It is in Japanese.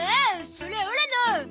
それオラの！